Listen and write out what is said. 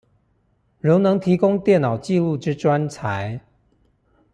如能提供電腦紀錄之專才